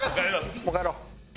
もう帰ろう。